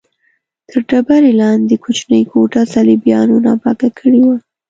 تر ډبرې لاندې کوچنۍ کوټه صلیبیانو ناپاکه کړې وه.